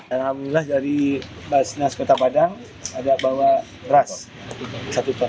alhamdulillah dari basnas kota padang ada bawa ras satu ton